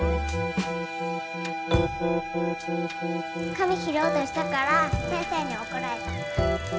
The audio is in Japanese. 紙拾おうとしたから先生に怒られた。